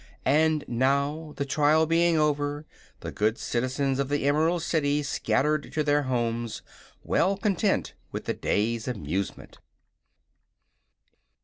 And now, the trial being over, the good citizens of the Emerald City scattered to their homes, well content with the day's amusement.